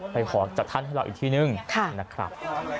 ไปขอจัดทั้งให้เราอีกที่นึงค่ะนะครับ